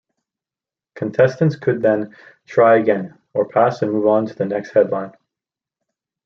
Contestants could then try again, or pass and move on to the next headline.